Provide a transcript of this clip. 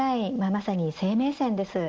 まさに生命線です。